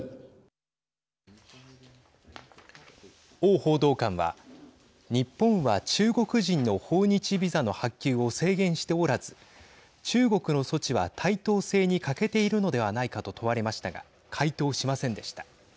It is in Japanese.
汪報道官は日本は中国人の訪日ビザの発給を制限しておらず中国の措置は対等性に欠けているのではないかと問われましたが回答しませんでした。